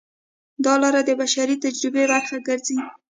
دا لار د بشري تجربې برخه ګرځي.